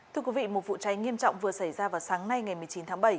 thưa quý vị một vụ cháy nghiêm trọng vừa xảy ra vào sáng nay ngày một mươi chín tháng bảy